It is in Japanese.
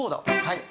はい。